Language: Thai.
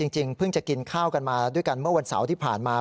จริงเพิ่งจะกินข้าวกันมาด้วยกันเมื่อวันเสาร์ที่ผ่านมา